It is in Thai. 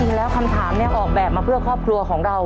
จริงแล้วคำถามนี้ออกแบบมาเพื่อครอบครัวของเรา